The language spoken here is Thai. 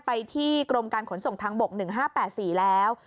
ไปที่กรมการขนส่งทางบก๑๕๘๔แล้ว